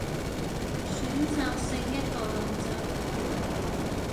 選擇性一國兩制